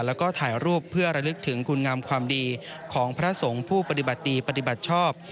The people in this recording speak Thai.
แล้วก็ถ่ายรูปเพื่อระลึกถึงคุณงามความดีของพระสงฆ์ผู้ปฏิบัติดีปฏิบัติชอบ